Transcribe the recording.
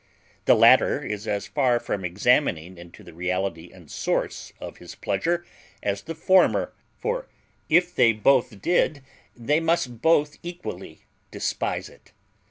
The latter is as far from examining into the reality and source of his pleasure as the former; for if both did, they must both equally despise it.